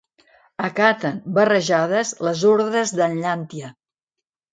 Acaten, barrejades, les ordres d'en Llàntia.